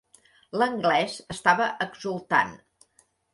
L'anglès estava exultant.